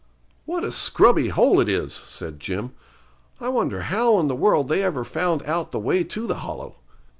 'What a scrubby hole it is!' said Jim; 'I wonder how in the world they ever found out the way to the Hollow?'